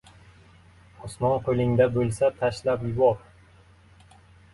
Osmon qo'lingda bo‘lsa tashlab yubor!